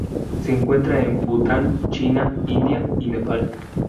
Se encuentra en Bután, China, India y Nepal.